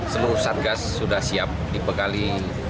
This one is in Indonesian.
seluruh satgas sudah siap dibekali